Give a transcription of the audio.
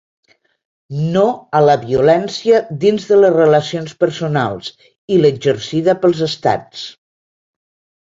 No a la violència dins de les relacions personals i l’exercida pels estats.